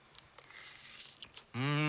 うん！